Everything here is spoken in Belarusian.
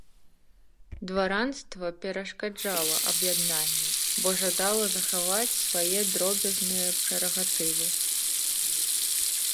Дваранства перашкаджала аб'яднанню, бо жадала захаваць свае дробязныя прэрагатывы.